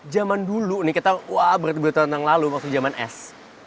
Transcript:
zaman dulu nih kita wah berarti berarti tahun lalu maksudnya zaman es